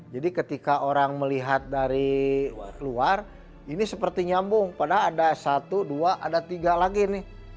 jadi ketika orang melihat dari luar ini seperti nyambung padahal ada satu dua ada tiga lagi nih